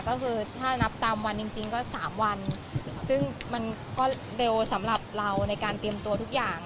ก็คือถ้านับตามวันจริงจริงก็สามวันซึ่งมันก็เร็วสำหรับเราในการเตรียมตัวทุกอย่าง